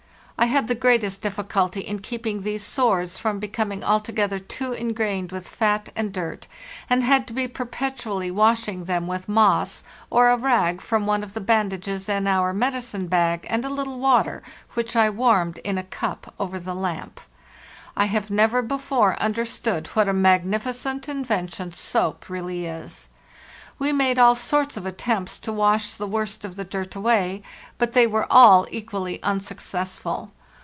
I had the greatest difficulty in keeping these sores from becoming altogether too ingrained with fat and dirt, and had to be perpetually washing them with moss, or a rag from one of the 9, and a little water, which bandages in our medicine bag, : I warmed in a cup over the lamp. I have never before understood what a magnificent invention soap really is. We made all sorts of attempts to wash the worst of the dirt away; but they were all equally un successful.